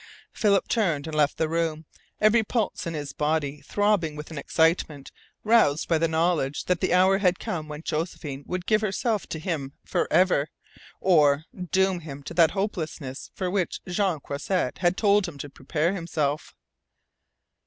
Philip turned and left the room, every pulse in his body throbbing with an excitement roused by the knowledge that the hour had come when Josephine would give herself to him forever, or doom him to that hopelessness for which Jean Croisset had told him to prepare himself.